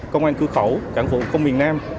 công an cửa khẩu cảng vụ công miền nam